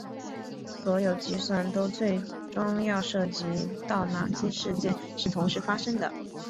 所有计算都最终要涉及到哪些事件是同时发生的。